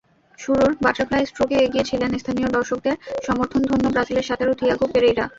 শুরুর বাটারফ্লাই স্ট্রোকে এগিয়ে ছিলেন স্থানীয় দর্শকদের সমর্থনধন্য ব্রাজিলের সাঁতারু থিয়াগো পেরেইরা।